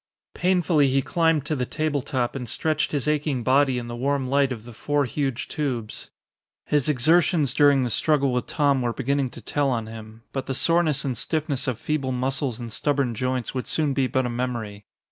Painfully he climbed to the table top and stretched his aching body in the warm light of the four huge tubes. His exertions during the struggle with Tom were beginning to tell on him. But the soreness and stiffness of feeble muscles and stubborn joints would soon be but a memory.